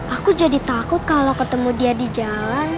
aku jadi takut kalau ketemu dia di jalan